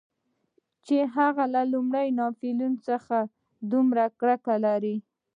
چې هغه له لومړي ناپلیون څخه دومره کرکه لري.